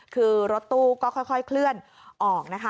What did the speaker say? คือรถตู้ก็ค่อยเคลื่อนออกนะคะ